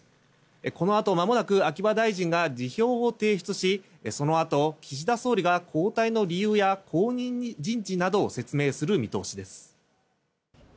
このあとまもなく秋葉大臣が辞表を提出しそのあと岸田総理が交代の理由や後任人事などを説明する見通しです。